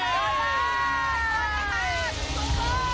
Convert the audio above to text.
โอ้โฮทุก